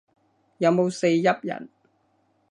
有冇四邑人